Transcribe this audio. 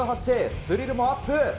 スリルもアップ。